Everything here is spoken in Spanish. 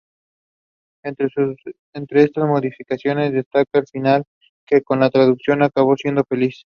Entre estas modificaciones destaca el final, que con la traducción acabó siendo feliz.